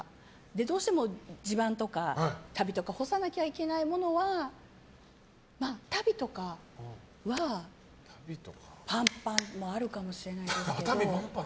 どうしても襦袢とか足袋とか干さなきゃいけないものは足袋とかはパンパンあるかもしれないですけど。